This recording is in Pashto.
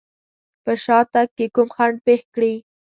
په شاتګ کې کوم خنډ پېښ کړي.